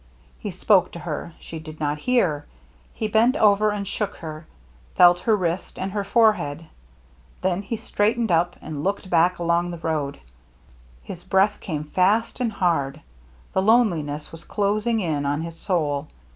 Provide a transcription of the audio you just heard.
He spoke to her — she did not hear. He bent over and shook her, felt her wrist and her forehead. Then he straightened up and looked back along the road. His breath came fast and hard ; the loneliness was closing in on his soul.